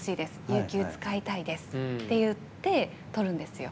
有給使いたいですって言ってとるんですよ。